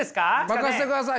任せてください！